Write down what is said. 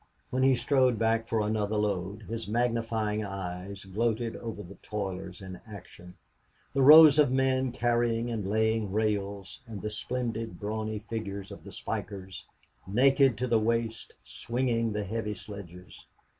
When he strode back for another load his magnifying eyes gloated over the toilers in action the rows of men carrying and laying rails, and the splendid brawny figures of the spikers, naked to the waist, swinging the heavy sledges.